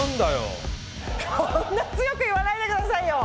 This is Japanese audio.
そんな強く言わないでくださいよ！